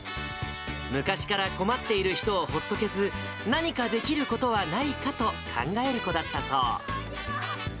昔から困っている人をほっとけず、何かできることはないかと考える子だったそう。